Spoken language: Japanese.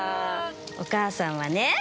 お母さんはね